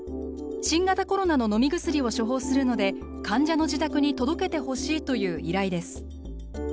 新型コロナの飲み薬を処方するので患者の自宅に届けてほしいという依頼です。